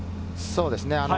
そうですね。